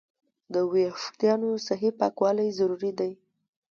د وېښتیانو صحیح پاکوالی ضروري دی.